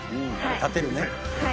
立てるね。